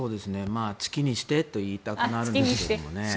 ツキにしてと言いたくなるんですけどね。